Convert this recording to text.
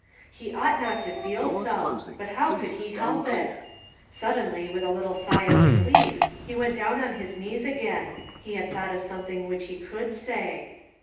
He ought not to feel so, but how could he help it? Suddenly, with a little sigh of relief, he went down on his knees again: he had thought of something which he could say.